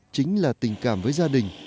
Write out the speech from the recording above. chính là tình cảm với gia đình